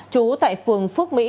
chú tại phường phước mỹ